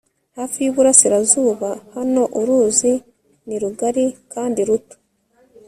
hafi yuburasirazuba. hano, uruzi ni rugari kandi ruto